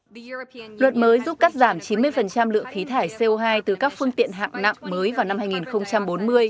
luật mới giúp cắt giảm chín mươi lượng khí thải co hai từ các phương tiện hạng nặng mới vào năm hai nghìn bốn mươi